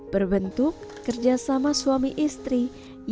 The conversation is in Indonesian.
berbentuk kerjasama suami istri yang saling melenggarkan